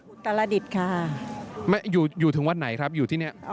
อุตรฤษค่ะอยู่ถึงวันไหนครับอยู่ที่นี่